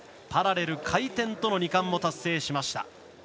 パラレル回転との２冠も達成しました。